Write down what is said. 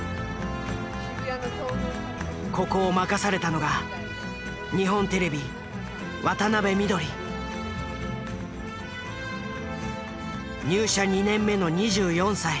ここを任されたのが入社２年目の２４歳。